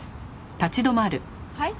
はい？